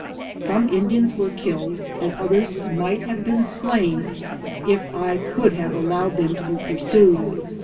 Some Indians were killed, and others might have been slain if I could have allowed them to be pursued.